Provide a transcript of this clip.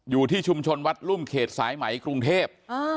อยู่ที่ชุมชนวัดรุ่มเขตสายไหมกรุงเทพ